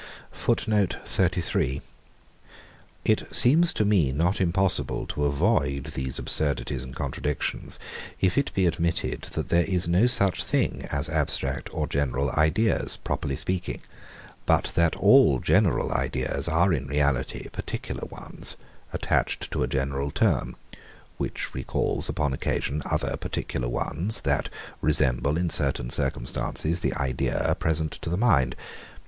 It seems to me not impossible to avoid these absurdities and contradictions, if it be admitted, that there is no such thing as abstract or general ideas, properly speaking; but that all general ideas are, in reality, particular ones, attached to a general term, which recalls, upon occasion, other particular ones, that resemble, in certain circumstances, the idea, present to the mind.